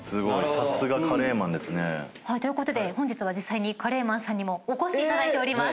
さすがカレーマンですね。ということで本日は実際にカレーマンさんにもお越しいただいております。